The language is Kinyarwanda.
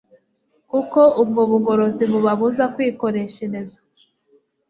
kuko ubwo bugorozi bubabuza kwikoreshereza